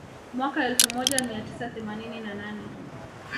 Mwaka elfu moja mia tisa themanini na nane